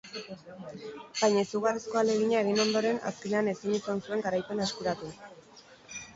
Baina izugarrizko ahalegina egin ondoren, azkenean ezin izan zuen garaipena eskuratu.